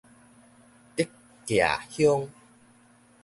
竹崎鄉